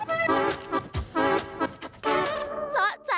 คนไอเดียมันเจอทั้งนาน